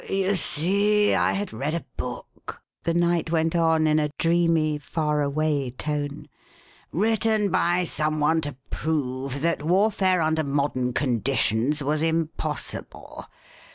You see, I had read a book," the .Knight went on in a dreamy, far away tone, written by some one to prove that warfare under modern conditions was impossible.